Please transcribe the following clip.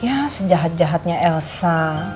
ya sejahat jahatnya elsa